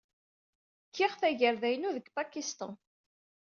Kkiɣ tagerda-inu deg Pakistan.